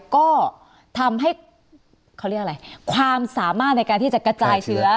ก็ทำให้ความสามารถในการที่จะกระจายเสือ